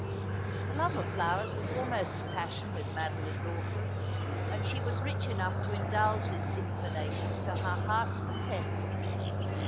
The love of flowers was almost a passion with Madeline Lawferd, and she was rich enough to indulge this inclination to her heart's content.